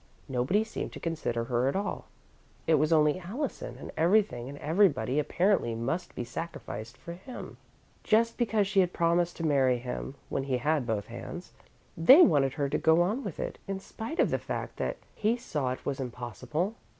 Nobody seemed to consider her at all it was only Allison, and everything and everybody, apparently, must be sacrificed for him. Just because she had promised to marry him, when he had both hands, they wanted her to go on with it, in spite of the fact that he saw it was impossible.